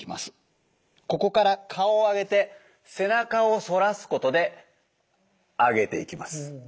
ここから顔をあげて背中を反らすことであげていきます。